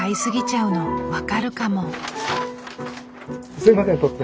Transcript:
すいません突然。